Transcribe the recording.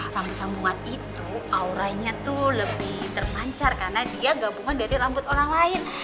rambu sambungan itu auranya tuh lebih terpancar karena dia gabungan dari rambut orang lain